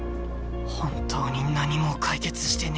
本当に何も解決してねえ。